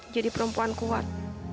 jadi perempuan kuat